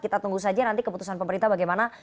kita tunggu saja nanti keputusan pemerintah bagaimana